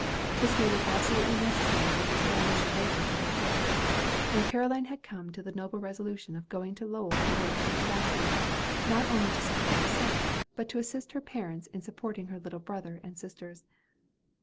This made it absolutely necessary that his family should labor for their bread; and Caroline had come to the noble resolution of going to Lowell to work in a factory, not only to support herself, but to assist her parents in supporting her little brother and sisters.